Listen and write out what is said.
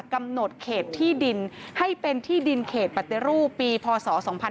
กำหนดเขตที่ดินให้เป็นที่ดินเขตปฏิรูปปีพศ๒๕๕๙